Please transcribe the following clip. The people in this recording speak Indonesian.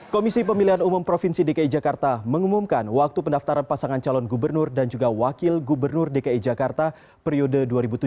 komisi pemilihan umum provinsi dki jakarta mengumumkan waktu pendaftaran pasangan calon gubernur dan juga wakil gubernur dki jakarta periode dua ribu tujuh belas dua ribu dua